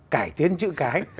cải tiến chữ cái